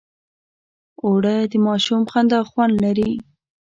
اوړه د ماشوم خندا خوند لري